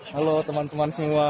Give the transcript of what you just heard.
halo teman teman semua